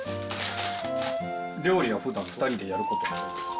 料理はふだん２人でやることがあるんですか？